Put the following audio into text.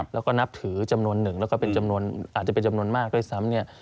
แล้วก็นับถือจำนวนหนึ่งแล้วก็เป็นจำนวนอาจจะเป็นจำนวนมากด้วยซ้ำ